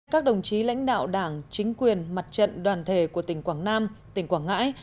các đồng chí lãnh đạo đảng chính quyền mặt trận đoàn thể của tỉnh quảng nam tỉnh quảng ngãi